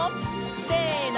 せの！